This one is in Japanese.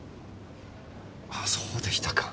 あそうでしたか。